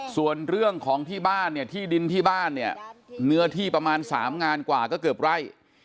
ส่วนเรื่องของที่บ้านเนี่ยที่ดินที่บ้านเนี่ยเนื้อที่ประมาณ๓งานกว่าก็เกือบไร่